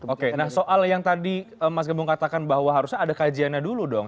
oke nah soal yang tadi mas gembong katakan bahwa harusnya ada kajiannya dulu dong